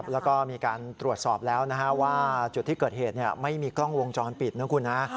แล้วก็มีการตรวจสอบแล้วนะฮะว่าจุดที่เกิดเหตุไม่มีกล้องวงจรปิดนะคุณนะ